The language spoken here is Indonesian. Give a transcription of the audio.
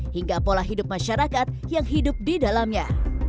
hingga pola hidup masyarakat yang hidup di dalamnya